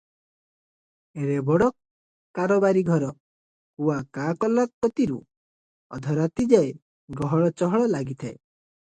ଏଡେ ବଡ କାରବାରୀ ଘର, କୁଆ କା କଲା କତିରୁ ଅଧରାତିଯାଏ ଗହଳ ଚହଳ ଲାଗିଥାଏ ।